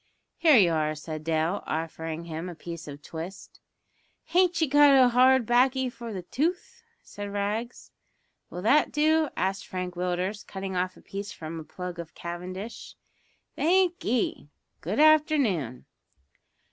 "Here you are," said Dale, offering him a piece of twist. "Han't ye got a bit o' hard baccy for the tooth?" said Rags. "Will that do?" asked Frank Willders, cutting off a piece from a plug of cavendish. "Thank'ee. Good afternoon."